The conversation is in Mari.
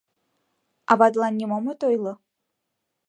— Аватлан нимом от ойло?